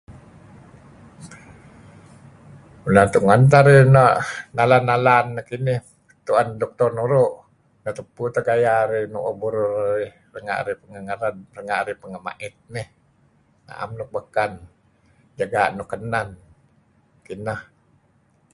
Mula' tungen teh arih no' nalan-nalan nehkinih tu'en doktor nuru' neh tupu teh gaya arih nu'uh burur arih renga' arih pengeh ngered renga' arih pengeh ma'it inih, na'am nuk beken jaga' nuk kenen. Kinah.